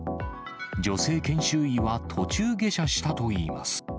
女性研修医は途中下車したといいます。